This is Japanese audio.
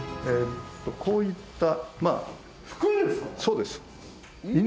こういった服ですか？